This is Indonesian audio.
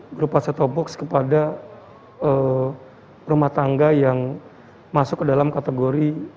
berupa set top box kepada rumah tangga yang masuk ke dalam kategori